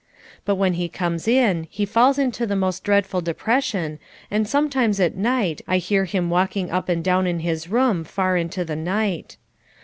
But when he comes in he falls into the most dreadful depression and sometimes at night I hear him walking up and down in his room far into the night.